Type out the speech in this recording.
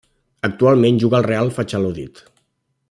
Actualment juga al Real Valladolid.